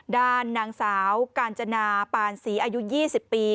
ด้านนางสาวกาญจนาปานศรีอายุ๒๐ปี